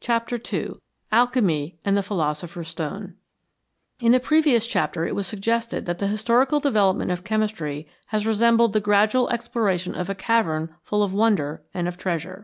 CHAPTER II ALCHEMY AND THE PHILOSOPHER'S STONE IN the previous chapter it was suggested that the historical development of chemistry has resembled the gradual exploration of a cavern full of wonder and of treasure.